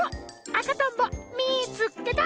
あかとんぼみいつけた！